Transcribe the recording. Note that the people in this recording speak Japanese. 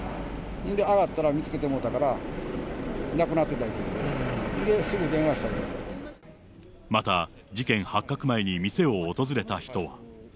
んで、上がったら見つけてもうたから、亡くなってたいうことで、で、すまた、事件発覚前に店を訪れた人は。